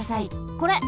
これ。